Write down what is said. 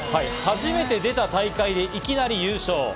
初めて出た大会でいきなり優勝。